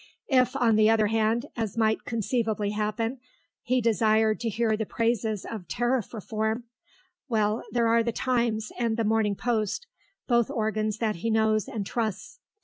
If, on the other hand, as might conceivably happen, he desired to hear the praises of Tariff Reform well, there are the Times and the Morning Post, both organs that he knows and trusts.